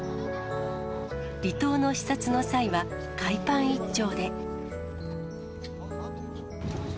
離島の視察の際は、海パン一丁で。